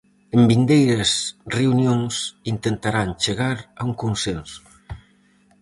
En vindeiras reunións intentarán chegar a un consenso.